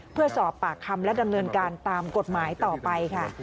เพื่อสอบปากคำและดำเนินการตามกฎหมายต่อไปค่ะ